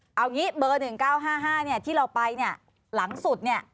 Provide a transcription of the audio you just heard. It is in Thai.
เอาอย่างงี้เบอร์หนึ่งเก้าห้าห้าเนี้ยที่เราไปเนี้ยหลังสุดเนี้ย